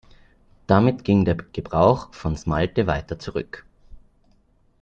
Damit ging der Gebrauch von Smalte weiter zurück.